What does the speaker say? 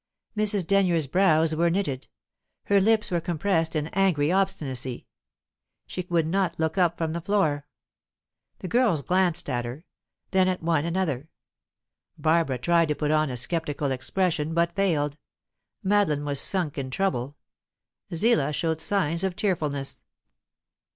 Mrs. Denyer's brows were knitted; her lips were compressed in angry obstinacy; she would not look up from the floor. The girls glanced at her, then at one another. Barbara tried to put on a sceptical expression, but failed; Madeline was sunk in trouble; Zillah showed signs of tearfulness.